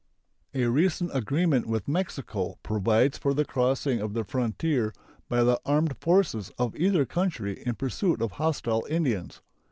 A recent agreement with Mexico provides for the crossing of the frontier by the armed forces of either country in pursuit of hostile Indians.